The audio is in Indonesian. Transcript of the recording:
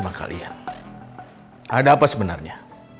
karena aku tidak sanggup melihat elsa menderita